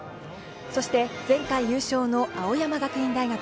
そして前回優勝の青山学院大学。